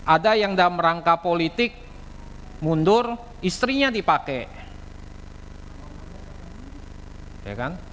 ada yang dalam rangka politik mundur istrinya dipakai